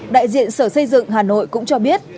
đại diện sở xây dựng hà nội cũng cho biết